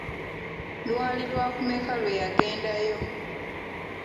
Lwali lwakumeka lwe yagendayo?